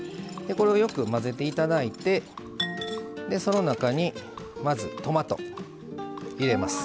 これをよく混ぜていただいてその中に、まずトマトを入れます。